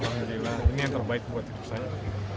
saya bilang alhamdulillah ini yang terbaik buat hidup saya